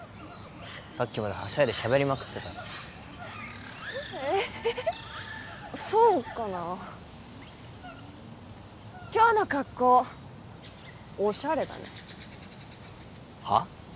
さっきまではしゃいでしゃべりまくってたろえっそうかな今日の格好オシャレだねはっ？